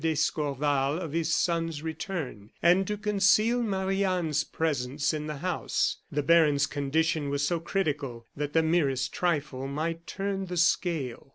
d'Escorval of his son's return, and to conceal Marie Anne's presence in the house. The baron's condition was so critical that the merest trifle might turn the scale.